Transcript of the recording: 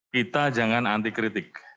kita jangan antikritik